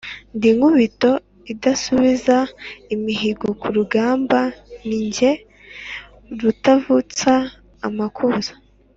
Ndi Nkubito idasubiza imihigo ku rugamba, ni jye rutavutsa amakuza